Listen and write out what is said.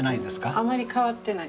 あまり変わってない。